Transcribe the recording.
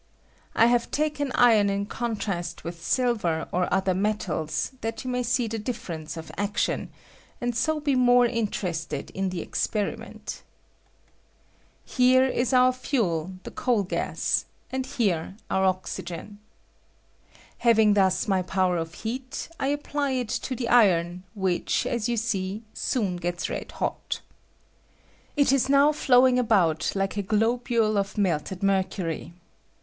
I have taken iron in contrast with silver or other metals, that you may see the difference of action, and 610 be more interested in the experiment. Here w 210 FUSION OF IHON. is our fuel, the coal gas ; and here oar oxygen. Having thus my power of heat, I apply it to the iron, which, as you see, soon gets red hot. It is now flowing about like a globule of melt ed mercury.